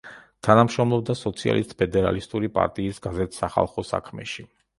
თანამშრომლობდა სოციალისტ-ფედერალისტური პარტიის გაზეთ „სახალხო საქმეში“.